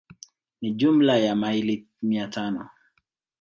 Ni jumla ya maili mia tano